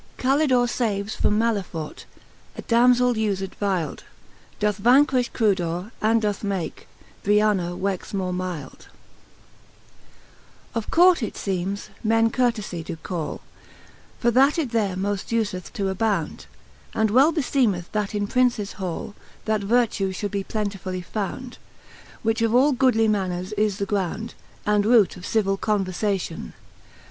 CaVtdore faves from Maleffart A Damzell ufed vylde) Doth vanqn'tjh Crudor^ and doth make Briana "joexe wore mylde, I. OF Court, it feemes, men Courtefie doe call, For that it there moft ufeth to abound j And well befeemeth, that in Princes hall That vertue fhould be plentifully found, Which of all goodly manners is the ground. And roote of civill converiation.